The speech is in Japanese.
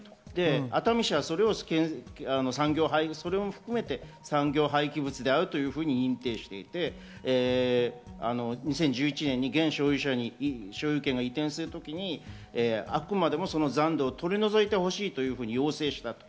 熱海市は、産業廃棄物であると認定していて、２０１１年に現所有者に所有権が移転する時にあくまでもその残土を取り除いてほしいと要請したと。